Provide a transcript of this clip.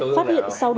phát hiện sau đó